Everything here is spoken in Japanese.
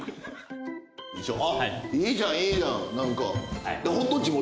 いいじゃんいいじゃん何か。